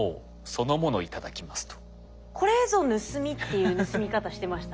これぞ「盗み」っていう盗み方してましたね。